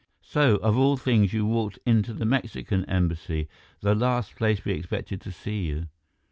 So, of all things, you walked into the Mexican Embassy, the last place we expected to see you.